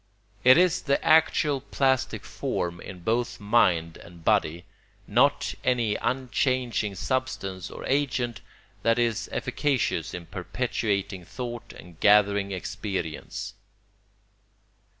It is the actual plastic form in both mind and body, not any unchanging substance or agent, that is efficacious in perpetuating thought and gathering experience.